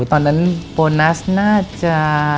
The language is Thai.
ตอนนั้นโบนัสน่าจะ